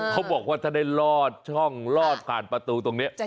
เขาบอกว่าถ้าได้ลอดช่องลอดผ่านประตูตรงนี้